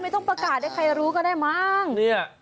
ไม่ต้องประกาศให้ใครรู้ก็ได้มั้ง